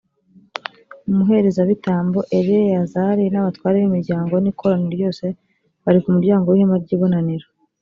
umuherezabitambo eleyazari n’abatware b’imiryango n’ikoraniro ryose bari ku muryango w’ihema ry’ibonaniro.